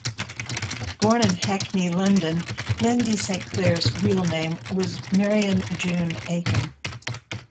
Born in Hackney, London, Lindi Saint Clair's real name was Marian June Akin.